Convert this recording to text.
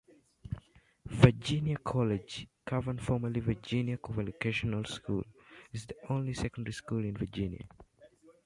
Virginia College, Cavan, formerly Virginia Vocational School, is the only secondary school in Virginia.